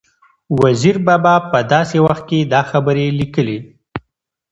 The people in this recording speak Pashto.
وزیر بابا په داسې وخت کې دا خبرې لیکلي